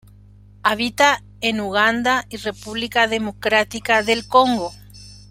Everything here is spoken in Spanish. Habita en Uganda y República Democrática del Congo.